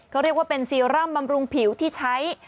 เขาเรียกว่าเป็นซีรั่มบำรุงผิวที่ใช้